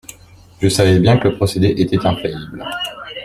Je savais bien que le procédé était infaillible.